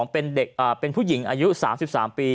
เป็นผู้หญิงอายุ๓๓ปี